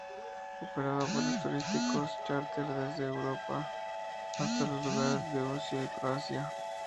Operaba vuelos turísticos charter desde Europa hasta los lugares de ocio de Croacia.